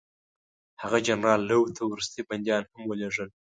هغه جنرال لو ته وروستي بندیان هم ولېږل.